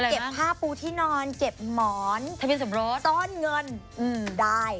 เก็บผ้าปูที่นอนเก็บหมอนส้อนเงินได้